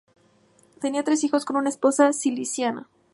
Tenía tres hijos, con una esposa siciliana.